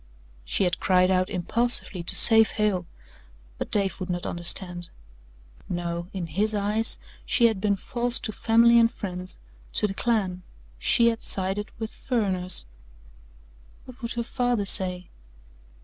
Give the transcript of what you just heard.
She had cried out impulsively to save Hale, but Dave would not understand. No, in his eyes she had been false to family and friends to the clan she had sided with "furriners." What would her father say?